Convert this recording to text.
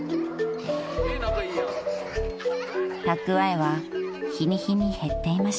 ［蓄えは日に日に減っていました］